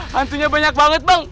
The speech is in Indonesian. hantunya banyak banget bang